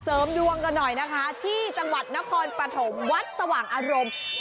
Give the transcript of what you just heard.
เสริมดวงกันหน่อยนะคะที่จังหวัดนครปฐมวัดสว่างอารมณ์